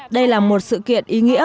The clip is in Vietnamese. đây là một sự kiện ý nghĩa bổng